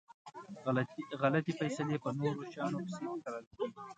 غلطي فیصلی په نورو شیانو پسي تړل کیږي.